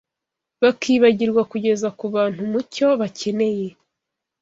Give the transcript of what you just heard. bakibagirwa kugeza ku bantu umucyo bakeneye